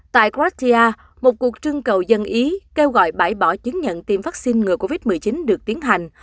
tại gratia một cuộc trưng cầu dân ý kêu gọi bãi bỏ chứng nhận tiêm vaccine ngừa covid một mươi chín được tiến hành